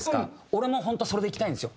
俺もホントはそれでいきたいんですよ。